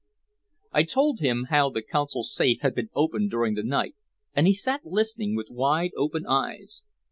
I told him how the Consul's safe had been opened during the night, and he sat listening with wide open eyes.